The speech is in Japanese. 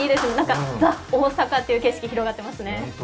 ザ・大阪っていう景色広がっていますね。